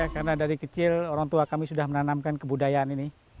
karena dari kecil orang tua kami sudah menanamkan kebudayaan ini